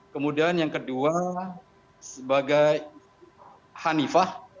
kemudian yang kedua sebagai hanifah